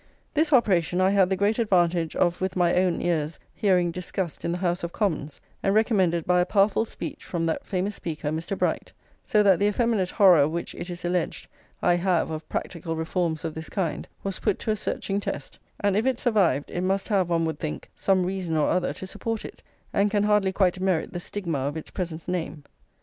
This operation I had the great advantage of with my own ears hearing discussed in the House of Commons, and recommended by a powerful speech from that famous speaker, Mr. Bright; so that the effeminate horror which, it is alleged, I have of practical reforms of this kind, was put to a searching test; and if it survived, it must have, one would think, some reason or other to support it, and can hardly quite merit the stigma of its present name.